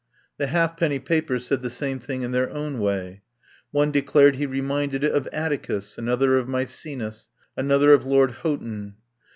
The halfpenny papers said the same thing in their own way. One declared he reminded it of Atticus, another of Maecenas, another of Lord Houghton.